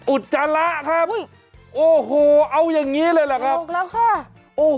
อุดสาระครับโอ้โหเอาอย่างนี้เลยละครับวุ้ย